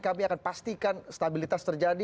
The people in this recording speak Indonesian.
kami akan pastikan stabilitas terjadi